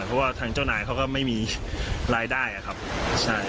เพราะว่าทางเจ้านายเขาก็ไม่มีรายได้อะครับใช่